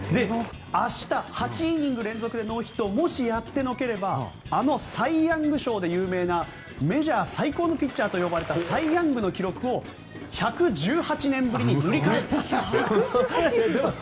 明日８イニング連続をやってのければあのサイ・ヤング賞で有名なメジャー最高のピッチャーと呼ばれたサイ・ヤングの記録を１１８年ぶりに塗り替える。